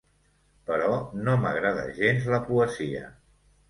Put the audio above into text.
Però no m'agrada gens la poesia.